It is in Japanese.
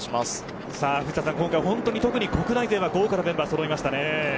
今回、国内勢は豪華なメンバーがそろいました。